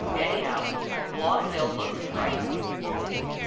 Anyhow, Long Bill looked frightened.